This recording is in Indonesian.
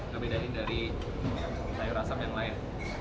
terbeda dari sayur asem yang lain